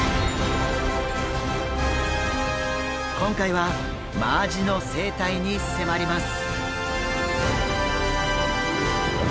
今回はマアジの生態に迫ります。